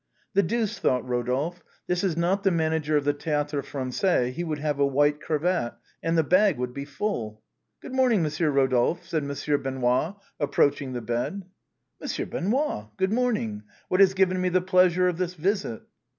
" The deuce," thought Eodolphe, " this is not the mana ger of the Théâtre Français, he would have a white cravat and the bag would be full." " Good morning, ]\Ionsieur Eodolphe," said Monsieur Benoît, approaching the bed. " Monsieur Benoît ! Good morning. What has given me the pleasure of this visit